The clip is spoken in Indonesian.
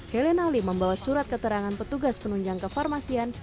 helena ali membawa surat keterangan petugas penunjang kefarmasian